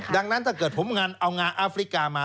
ดังนั้นถ้าเกิดผมเอางาอาฟริกามา